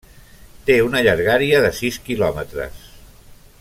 Té una llargària de sis quilòmetres.